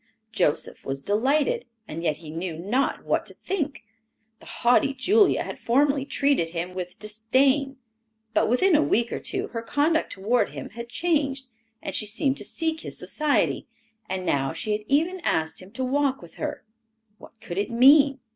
Joseph was delighted, and yet he knew not what to think. The haughty Julia had formerly treated him with disdain; but within a week or two her conduct toward him had changed, and she seemed to seek his society, and now she had even asked him to walk with her. What could it mean?